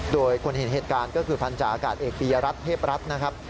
โดยคนเห็นเหตุการณ์ก็คือพันธาอากาศเอกปียรัฐเทพรัฐนะครับ